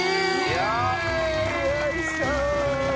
よいしょ！